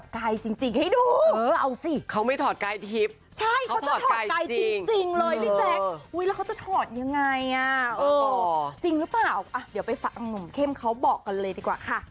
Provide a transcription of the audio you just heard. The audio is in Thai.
เขาจะถอดกายจริงให้ดี